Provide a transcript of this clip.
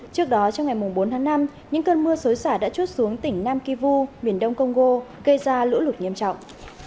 trước đó trong ngày bốn tháng năm những cơn mưa xối xả đã trút xuống tỉnh nam kivu miền đông công gô gây ra lũ lụt nghiêm trọng